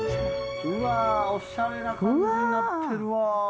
うわおしゃれな感じになってるわ。